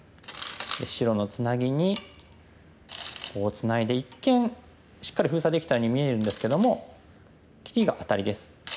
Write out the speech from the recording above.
で白のツナギにこうツナいで一見しっかり封鎖できたように見えるんですけども切りがアタリです。